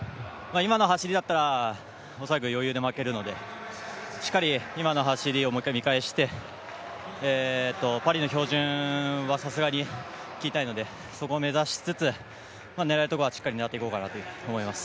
今の走りだったら、余裕で負けるのでしっかり今の走りを見返して、パリの標準はさすがに切りたいのでそこを目指しつつ、狙えるところはしっかりと狙っていこうかなと思います。